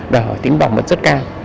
đỏ tính bảo mật rất cao